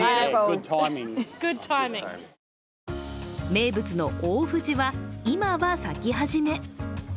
名物の大藤は、今は咲き始め。